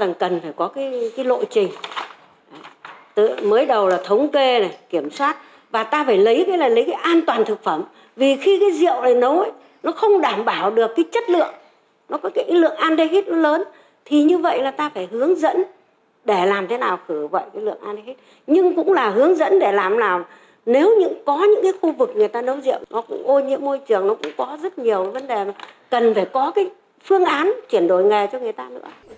nếu có những khu vực người ta nấu rượu môi trường cũng có rất nhiều vấn đề cần phải có phương án chuyển đổi nghề cho người ta nữa